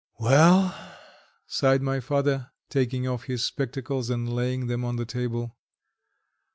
"Well," sighed my father, taking off his spectacles, and laying them on the table.